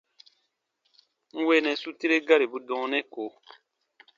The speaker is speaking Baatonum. N weenɛ su tire garibu dɔɔnɛ ko.